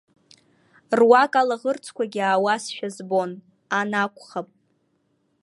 Руак алаӷырӡқәагьы аауазшәа збон, ан акәхап.